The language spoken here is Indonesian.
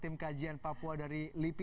tim kajian papua dari lipi